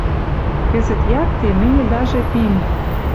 Кӹзӹт якте мӹньӹ даже пим.